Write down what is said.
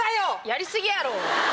やり過ぎやろ。